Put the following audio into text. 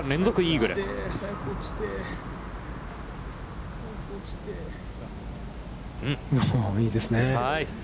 いいですね。